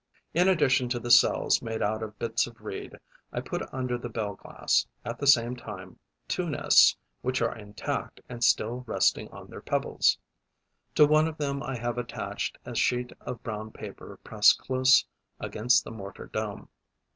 In addition to the cells made out of bits of reed, I put under the bell glass, at the same time, two nests which are intact and still resting on their pebbles. To one of them I have attached a sheet of brown paper pressed close against the mortar dome.